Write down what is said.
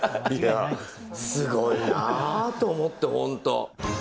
すごいなと思って、本当。